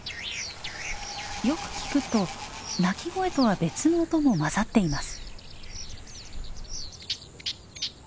よく聞くと鳴き声とは別の音も混ざっています。